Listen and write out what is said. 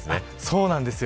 そうなんですよ。